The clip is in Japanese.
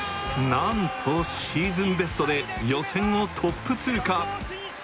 何とシーズンベストで予選をトップ通過決勝進出！